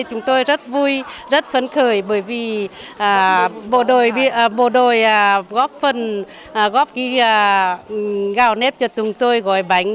chúng tôi rất vui rất phấn khởi bởi vì bộ đội góp phần góp gạo nếp cho chúng tôi gói bánh